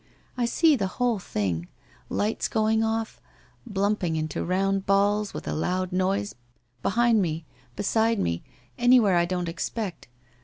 I see the whole thing. Lights going off — Humping into round balls, with a loud noise, behind me — beside me — anywhere I don't ex pect.